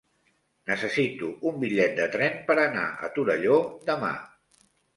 Necessito un bitllet de tren per anar a Torelló demà.